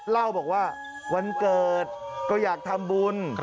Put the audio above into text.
เล่าบอกว่าวันเกิดก็อยากทำบุญ